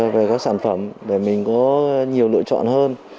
về các sản phẩm để mình có nhiều lựa chọn hơn